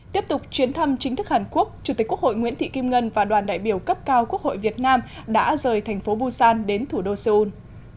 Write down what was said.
tiếp tục chuyến thăm chính thức hàn quốc chủ tịch quốc hội nguyễn thị kim ngân và đoàn đại biểu cấp cao quốc hội việt nam đã rời thành phố busan đến thủ đô seoul